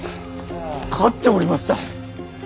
勝っておりました！